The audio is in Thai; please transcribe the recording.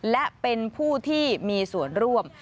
และเป็นผู้ที่มีส่วนร่วม